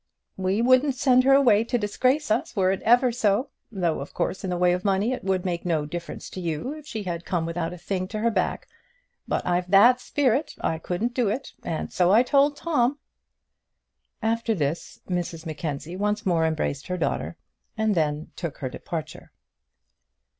"We wouldn't send her away to disgrace us, were it ever so; though of course in the way of money it would make no difference to you if she had come without a thing to her back. But I've that spirit I couldn't do it, and so I told Tom." After this Mrs Mackenzie once more embraced her daughter, and then took her departure.